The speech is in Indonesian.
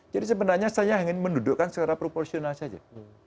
jadi sebenarnya saya ingin mendudukkan secara proporsional saja